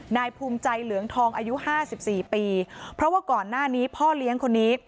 นายภูมิใจเหลืองทองอายุห้าสิบสี่ปีเพราะว่าก่อนหน้านี้พ่อเลี้ยงคนนี้